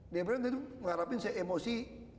dpr itu mengharapin saya emosi